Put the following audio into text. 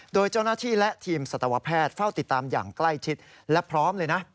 โดยเจ้าหน้าที่และทีมสัตวแพทย์เฝ้าติดตามอย่างใกล้ชิดและพร้อมเลยนะ